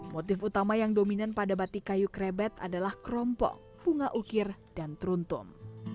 motif utama yang dominan pada batik kayu krebet adalah kerompok bunga ukir dan teruntum